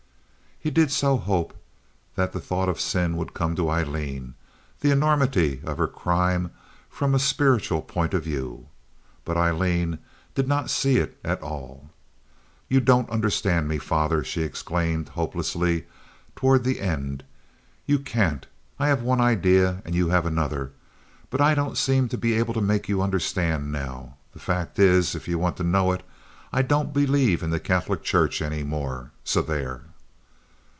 He did so hope the thought of sin would come to Aileen—the enormity of her crime from a spiritual point of view—but Aileen did not see it at all. "You don't understand me, father," she exclaimed, hopelessly toward the end. "You can't. I have one idea, and you have another. But I don't seem to be able to make you understand now. The fact is, if you want to know it, I don't believe in the Catholic Church any more, so there."